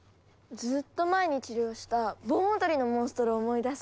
ずっと前に治療した盆踊りのモンストロを思い出すわ。